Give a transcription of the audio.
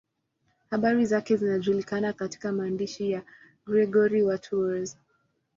Habari zake zinajulikana katika maandishi ya Gregori wa Tours.